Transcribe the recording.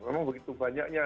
memang begitu banyaknya